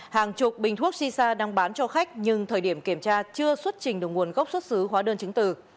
hàng chục bình thuốc shisha đang bán cho khách nhưng thời điểm kiểm tra chưa xuất trình được nguồn gốc xuất xứ hóa đơn chứng từ